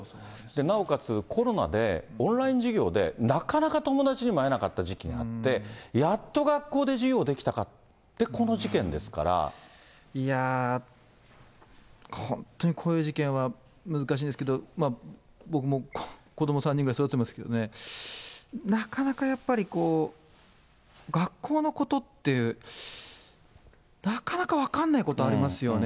なおかつ、コロナでオンライン授業でなかなか友達にも会えなかった時期があって、やっと学校で授業できたかって、この事件ですかいやー、本当にこういう事件は難しいんですけど、僕も子ども３人ぐらい育ててますけどね、なかなかやっぱりこう、学校のことって、なかなか分からないことありますよね。